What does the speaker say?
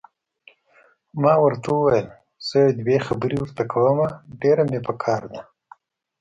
ما ورته وویل: زه یو دوې خبرې ورته کوم، ډېره مې پکار ده.